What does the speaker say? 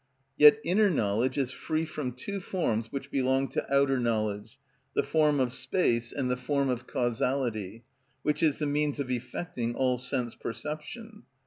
Yet inner knowledge is free from two forms which belong to outer knowledge, the form of space and the form of causality, which is the means of effecting all sense perception.